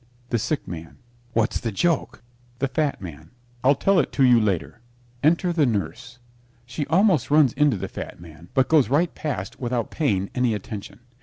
THE SICK MAN What's the joke? THE FAT MAN I'll tell it to you later. Enter the Nurse. She almost runs into the Fat Man, but goes right past without paying any attention.